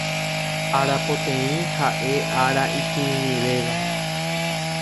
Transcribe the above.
Arapoteĩ ha'e ára ikirirĩvéva.